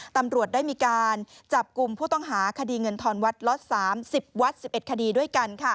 ตำรวจได้มีการจับกลุ่มผู้ต้องหาคดีเงินทอนวัดล็อต๓๐วัด๑๑คดีด้วยกัน